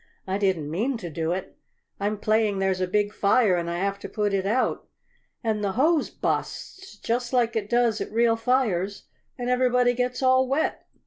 I didn't mean to do it. I'm playing there's a big fire and I have to put it out. And the hose busts just like it does at real fires and everybody gets all wet.